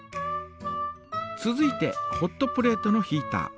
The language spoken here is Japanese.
続いてホットプレートのヒータ。